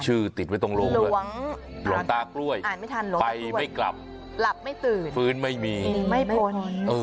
หลวงตากล้วยไปไม่กลับหลับไม่ตื่นฟื้นไม่มีหนีไม่พ้น